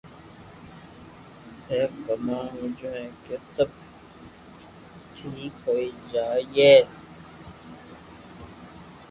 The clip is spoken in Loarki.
ٿي ڪاوُ ھمجيو ڪي سب ٺيڪ ھوئي جائي